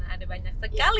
ada banyak sekali